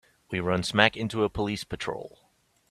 We run smack into a police patrol.